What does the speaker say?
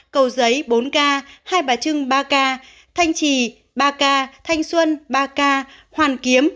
cầu giấy bốn ca hai bà trưng ba ca thanh trì ba ca thanh xuân ba ca hoàn kiếm